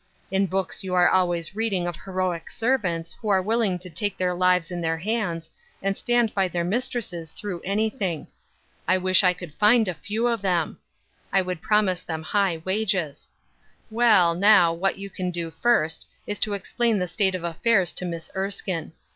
In books you are always reading of heroic servants who are willing to take their lives in their hands and stand by their mistresses through anything. I wish I could find a few of them I I would promise them high wages. Well, now, what you can do first, is to explain the state of affairs to Miss Erskine.